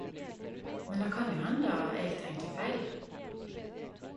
Men det kan jo hende eg tenker feil?